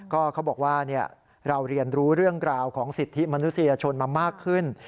ก็เขาบอกว่าเราเรียนรู้เรื่องกล่าวของสิทธิมนุษยชนมามากขึ้น